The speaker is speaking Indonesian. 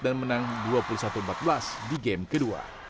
dan menang dua puluh satu empat belas di game kedua